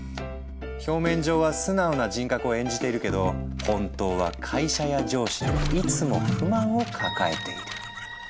表面上は素直な人格を演じているけど本当は会社や上司にいつも不満を抱えている。